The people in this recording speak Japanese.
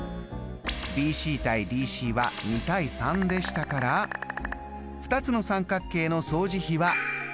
ＢＣ：ＤＣは２：３でしたから２つの三角形の相似比は２：５です。